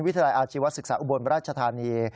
วิทยาลัยอาชีวศึกษาอุบลราชธานี